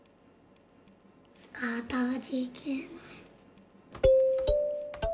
「かたじけない」